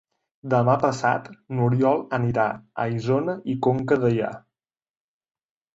Demà passat n'Oriol anirà a Isona i Conca Dellà.